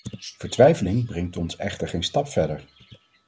Vertwijfeling brengt ons echter geen stap verder.